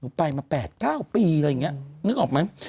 หนูไปมาแปดเก้าปีอะไรอย่างนี้นึกออกมั้ย